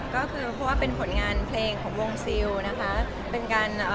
ก็คือเพราะว่าเป็นผลงานเพลงของวงซิลนะคะ